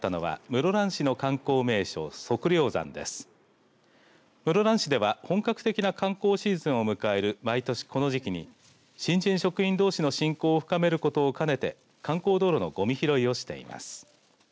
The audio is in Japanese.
室蘭市では本格的な観光シーズンを迎える毎年この時期に新人職員どうしの親交を深めることを兼ねて観光道路のごみ拾いをしています。